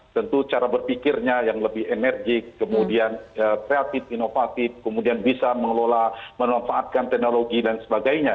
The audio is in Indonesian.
tentu cara berpikirnya yang lebih enerjik kemudian kreatif inovatif kemudian bisa mengelola memanfaatkan teknologi dan sebagainya